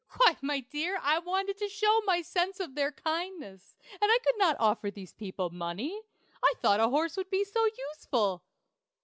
"Why, my dear, I wanted to show my sense of their kindness, and I could not offer these people money. I thought a horse would be so useful!"